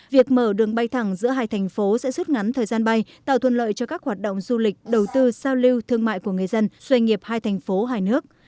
việc mở đường bay thẳng giữa hai thành phố sẽ rút ngắn thời gian bay tạo thuận lợi cho các hoạt động du lịch đầu tư giao lưu thương mại của người dân doanh nghiệp hai thành phố hai nước